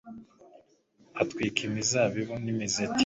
atwika imizabibu n'imizeti